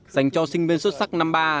dành cho sinh viên xuất sắc năm ba